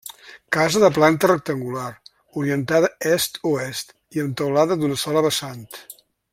Casa de planta rectangular, orientada est-oest i amb teulada d'una sola vessant.